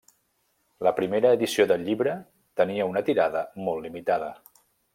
La primera edició del llibre tenia una tirada molt limitada.